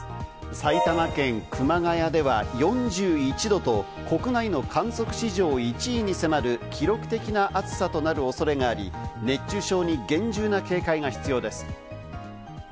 埼玉県熊谷では４１度と国内の観測史上１位に迫る記録的な暑さとなる恐れがあり、熱中症に厳重な警戒が必要です。